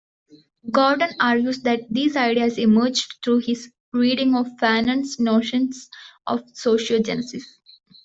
Gordon argues that these ideas emerged through his reading of Fanon's notions of sociogenesis.